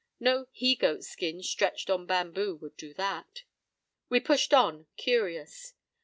No he goat's skin stretched on bamboo would do that. We pushed on, curious.